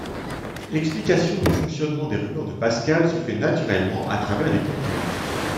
L’explication du fonctionnement des rubans de Pascal se fait naturellement à travers les congruences.